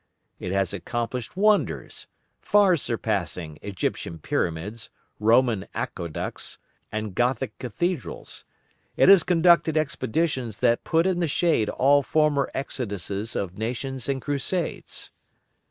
It has accomplished wonders far surpassing Egyptian pyramids, Roman aqueducts, and Gothic cathedrals; it has conducted expeditions that put in the shade all former Exoduses of nations and crusades.